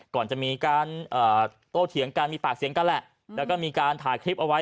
ก่อนจะมีการโตเถียงกันมีปากเสียงกันแหละแล้วก็มีการถ่ายคลิปเอาไว้